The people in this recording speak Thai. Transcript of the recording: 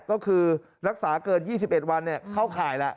ก็คือรักษาเกิน๒๑วันเข้าข่ายแล้ว